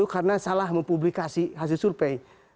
karena salah mempublikasi hasil survei